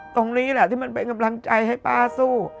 ตรงนี้แหละที่มันเป็นกำลังใจให้ป้าสู้